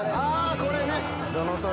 これね。